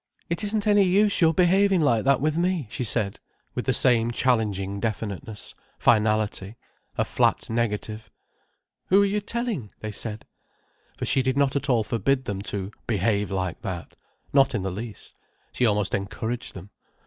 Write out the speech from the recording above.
"It isn't any use your behaving like that with me," she said, with the same challenging definiteness, finality: a flat negative. "Who're you telling?" they said. For she did not at all forbid them to "behave like that." Not in the least. She almost encouraged them.